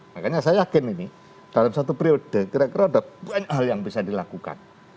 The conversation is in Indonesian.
makanya saya yakin ini dalam satu periode kira kira ada banyak hal yang bisa dilakukan